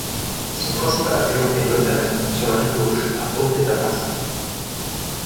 Son principal affluent est l'Oitavén, sur sa rive gauche, à Ponte da Barca.